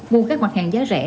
mua các mặt hàng giá rẻ